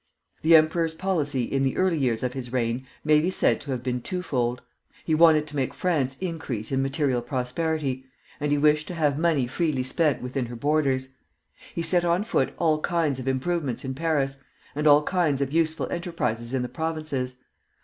The emperor's policy in the early years of his reign may be said to have been twofold. He wanted to make France increase in material prosperity, and he wished to have money freely spent within her borders. He set on foot all kinds of improvements in Paris, and all kinds of useful enterprises in the provinces.